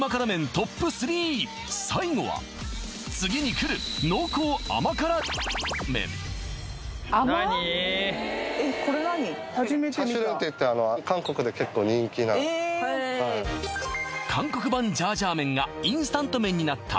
ＴＯＰ３最後はチャシュレンっていって韓国版ジャージャー麺がインスタント麺になった